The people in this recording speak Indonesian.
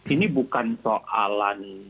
ini bukan soalan